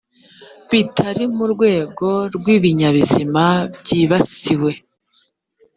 bitari mu rwego rw ibinyabuzima byibasiwe